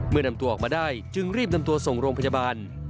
นำตัวออกมาได้จึงรีบนำตัวส่งโรงพยาบาล